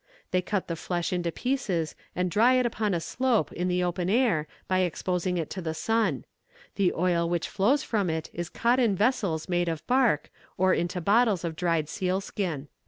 They cut the flesh into pieces, and dry it upon a slope in the open air, by exposing it to the sun. The oil which flows from it is caught in vessels made of bark, or into bottles of dried sealskin."